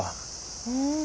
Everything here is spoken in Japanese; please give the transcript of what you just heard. うん。